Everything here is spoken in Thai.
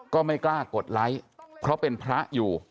ก็ไม่กล้ากดไลค์เพราะเป็นพระอยู่